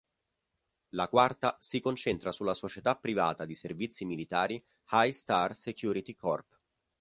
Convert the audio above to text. La quarta si concentra sulla società privata di servizi militari High Star Security Corp.